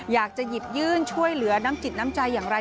อยากจะหยิบยื่นช่วยเหลือน้ำจิตน้ำใจอย่างไร